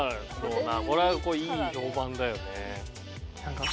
これはいい評判だよね。